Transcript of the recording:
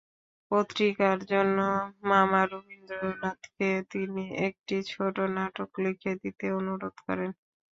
পত্রিকার জন্য মামা রবীন্দ্রনাথকে তিনি একটি ছোট নাটক লিখে দিতে অনুরোধ করেন।